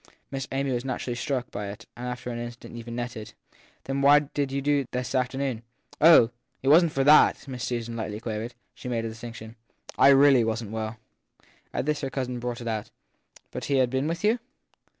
Miss Amy was naturally struck by it and after an instant even nettled. { Then why did you do so this afternoon ? 1 Oh, it wasn t for that ! Miss Susan lightly quavered. She made her distinction. I really wasn t well. At this her cousin brought it out. But he has been with you?